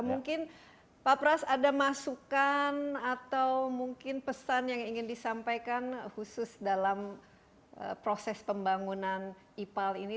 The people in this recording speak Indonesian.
mungkin pak pras ada masukan atau mungkin pesan yang ingin disampaikan khusus dalam proses pembangunan ipal ini